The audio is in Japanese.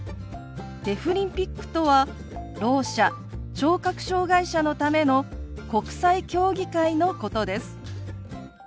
デフリンピックとはろう者聴覚障害者のための国際競技会のことです。